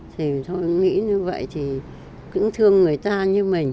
thì tôi nghĩ như vậy thì cũng thương người ta như mình